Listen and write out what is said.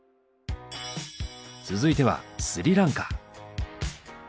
続いてはスリランカ。